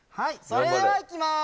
それではいきます。